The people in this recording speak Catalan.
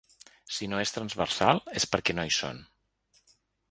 Si no és transversal és perquè no hi són.